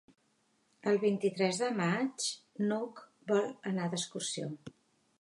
El vint-i-tres de maig n'Hug vol anar d'excursió.